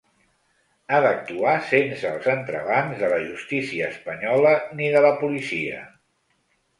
Ha d’actuar sense els entrebancs de la justícia espanyola ni de la policia.